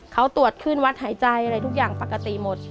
เขาตรวจขึ้นวัดหายใจอะไรทุกอย่างปกติหมด